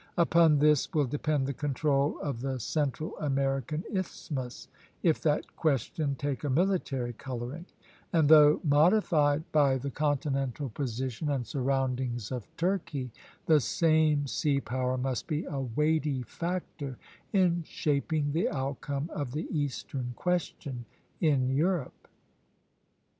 Upon this will depend the control of the Central American Isthmus, if that question take a military coloring; and though modified by the continental position and surroundings of Turkey, the same sea power must be a weighty factor in shaping the outcome of the Eastern Question in Europe.